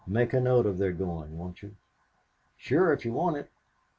Make a note of their going, won't you?" "Sure, if you want it."